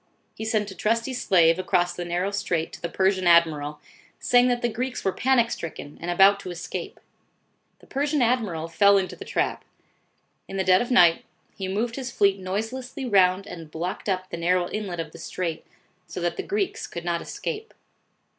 He sent a trusty slave across the narrow strait to the Persian admiral, saying that the Greeks were panic stricken and about to escape. The Persian admiral fell into the trap. In the dead of night, he moved his fleet noiselessly round and blocked up the narrow inlet of the strait, so that the Greeks could not escape.